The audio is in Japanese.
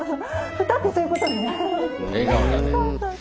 蓋ってそういうことね。